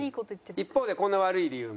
一方でこんな悪い理由も。